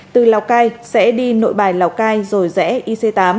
từ lào cai sẽ đi nội bài lào cai rồi rẽ ic tám